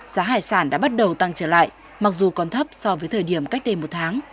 giá hải sản đã bắt đầu tăng trở lại mặc dù còn thấp so với thời điểm cách đây một tháng